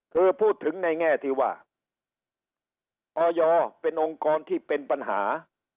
คือพูดถึงในแง่ที่ว่าออยเป็นองค์กรที่เป็นปัญหา